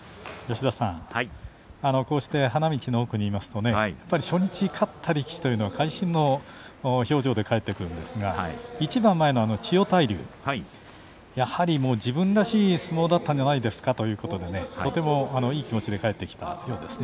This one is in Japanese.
こうして花道の奥にいますとね初日勝った力士というのは会心の表情で帰ってくるんですが一番前の千代大龍やはり自分らしい相撲だったんじゃないですかということでとてもいい気持ちで帰ってきたようですね。